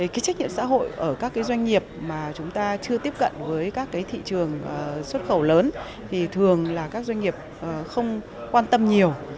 cái trách nhiệm xã hội ở các doanh nghiệp mà chúng ta chưa tiếp cận với các thị trường xuất khẩu lớn thì thường là các doanh nghiệp không quan tâm nhiều